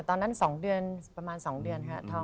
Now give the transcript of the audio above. ตอนนั้น๒เดือนประมาณ๒เดือนครับ